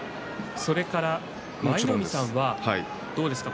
さらに、舞の海さんはどうですか？